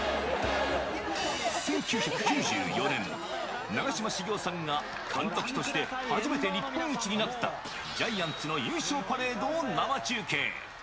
１９９４年、長嶋茂雄さんが監督として初めて日本一になったジャイアンツの優勝パレードを生中継。